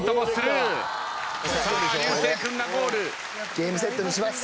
ゲームセットにします。